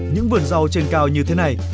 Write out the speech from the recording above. những vườn rau trên cao như thế này